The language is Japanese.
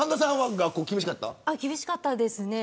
厳しかったですね。